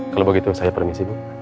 kalau begitu saya permisi bu